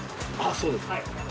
そうですか。